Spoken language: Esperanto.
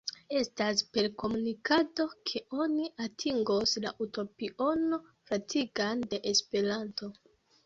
Estas per komunikado, ke oni atingos la utopion fratigan de Esperanto.